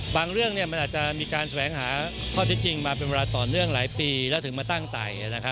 เรื่องมันอาจจะมีการแสวงหาข้อเท็จจริงมาเป็นเวลาต่อเนื่องหลายปีแล้วถึงมาตั้งไต่